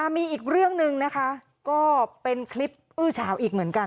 มีอีกเรื่องหนึ่งนะคะก็เป็นคลิปอื้อเฉาอีกเหมือนกัน